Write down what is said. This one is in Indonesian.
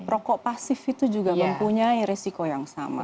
rokok pasif itu juga mempunyai resiko yang sama